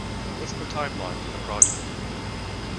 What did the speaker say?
What's the timeline for the project?